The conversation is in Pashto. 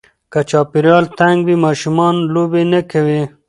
که چاپېریال تنګ وي، ماشومان لوبې نه کوي.